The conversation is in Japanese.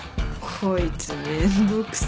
こいつめんどくさ。